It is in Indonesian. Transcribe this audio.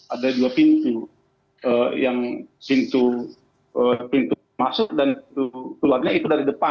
ada dua pintu yang pintu masuk dan keluarnya itu dari depan